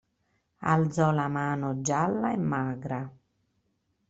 Alzò la mano gialla e magra.